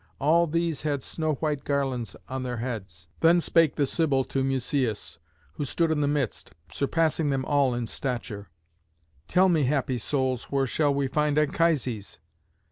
All these had snow white garlands on their heads. Then spake the Sibyl to Musæus, who stood in the midst, surpassing them all in stature: "Tell me, happy souls, where shall we find Anchises."